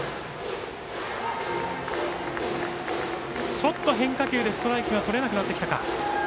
ちょっと変化球でストライクがとれなくなってきたか。